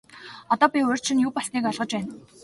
Одоо би урьд шөнө юу болсныг ойлгож байна.